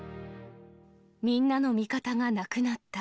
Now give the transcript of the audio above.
みんなの味方が亡くなった。